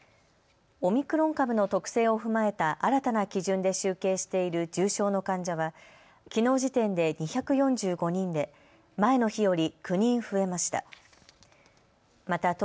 オミクロン株の特性を踏まえた新たな基準で集計している重症の患者はきのう時点で２４５人で前の日より９人増えました。